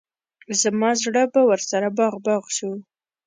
زما زړه به ورسره باغ باغ شو.